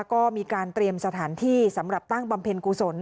ก็มีการเตรียมสถานที่สำหรับตั้งบำเพ็ญกุศล